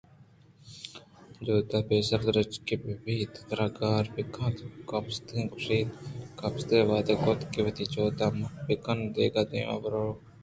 چِدءُ پیسر آ درٛچکے بہ بیت ءُ ترا گار بِہ کنت کپیس ءِ گوشت کپیسے ءَ واہگ کُت کہ وتی جاگہ ءَ مٹّ بہ کنت ءُ دِگہ دیمے ءَ بُہ رَئوت